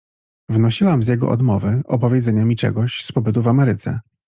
"Wnosiłam z jego odmowy opowiedzenia mi czegoś z pobytu w Ameryce."